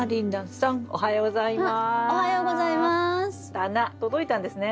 棚届いたんですね。